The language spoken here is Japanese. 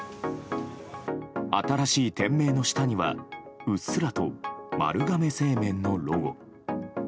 新しい店名の下にはうっすらと丸亀製麺のロゴ。